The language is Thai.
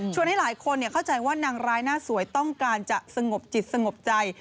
ให้หลายคนเข้าใจว่านางร้ายหน้าสวยต้องการจะสงบจิตสงบใจ